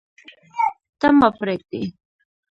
ته، ما پریږدې